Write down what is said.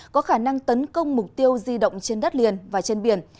có khả năng tấn công mục tiêu di động trên đất liền và trên biển